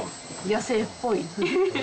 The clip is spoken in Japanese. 野生っぽい。